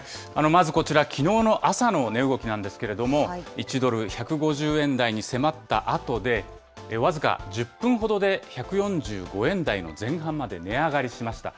まずこちら、きのうの朝の値動きなんですけれども、１ドル１５０円台に迫ったあとで、僅か１０分ほどで１４５円台の前半まで値上がりしました。